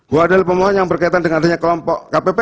buah adil pemohon yang berkaitan dengan adanya kelompok